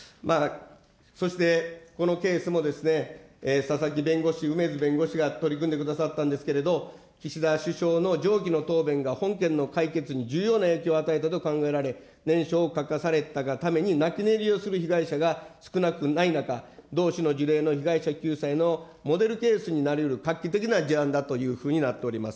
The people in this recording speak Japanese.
そしてこのケースも、ささき弁護士、うめづ弁護士が取り組んでくださったんですけれど、岸田首相の上記の答弁が本件の解決に重要な影響を与えたと考えられ、念書を書かされたがために、泣き寝入りをする被害者が少なくない中、同種の事例の被害者の救済のモデルケースになりうる画期的な事案だというふうになっております。